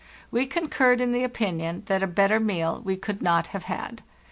We concurred in the opinion that a better meal we could not have had.